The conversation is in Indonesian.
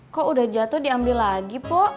kok udah jatuh diambil lagi pak